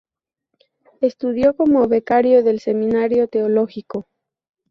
Estudió como becario del Seminario Teológico.